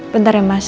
bentar ya mas